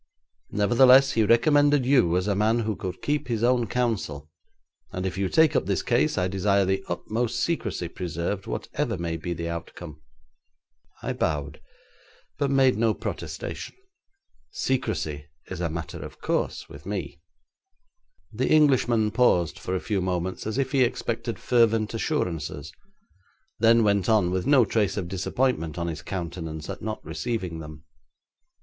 Nevertheless, he recommended you as a man who could keep his own counsel, and if you take up this case I desire the utmost secrecy preserved, whatever may be the outcome.' I bowed, but made no protestation. Secrecy is a matter of course with me. The Englishman paused for a few moments as if he expected fervent assurances; then went on with no trace of disappointment on his countenance at not receiving them.